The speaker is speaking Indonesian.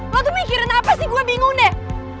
lo tuh mikirin apa sih gue bingung deh